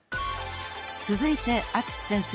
［続いて淳先生